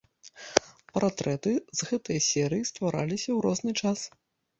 Партрэты з гэтай серыі ствараліся ў розны час.